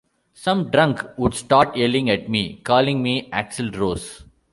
Some drunk would start yelling at me, calling me Axl Rose.